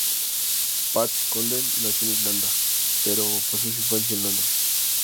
Pat Condell nació en Irlanda pero pasó su infancia en Londres.